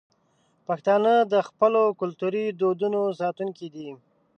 پښتانه د خپلو کلتوري دودونو ساتونکي دي.